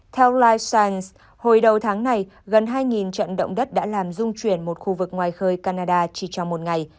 theo live strangs hồi đầu tháng này gần hai trận động đất đã làm dung chuyển một khu vực ngoài khơi canada chỉ trong một ngày